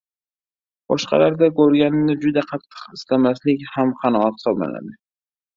Boshqalarda ko‘rganni juda qattiq istamaslik ham qanoat hisoblanadi.